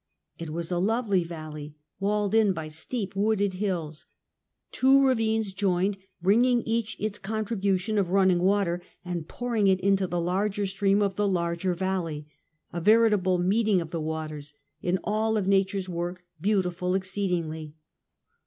It was a lovely valley, walled in by steep, wooded hills. Tv/o ravines joined, bringing each its contribution of rnn ning water, and pouring it into the larger stream of the larger valley — a veritable " meeting of the waters" — in all of nature's work, beautiful exceedingly.